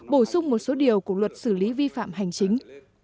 bổ sung một số điều của luật xử lý vi phạm hành chính